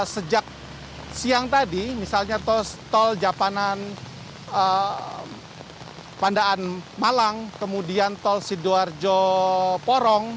sejak siang tadi misalnya tol japanan pandaan malang kemudian tol sidoarjo porong